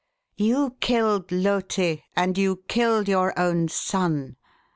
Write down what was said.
You killed Loti, and you killed your own son.